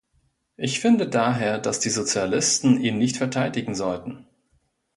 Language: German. Ich finde daher, dass die Sozialisten ihn nicht verteidigen sollten.